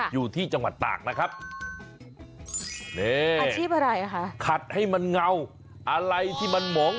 อยู่ที่จังหวัดตากนะครับ